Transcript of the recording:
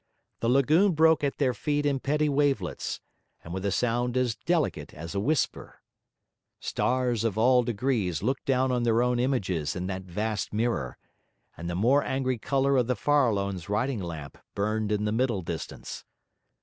The lagoon broke at their feet in petty wavelets, and with a sound as delicate as a whisper; stars of all degrees looked down on their own images in that vast mirror; and the more angry colour of the Farallone's riding lamp burned in the middle distance.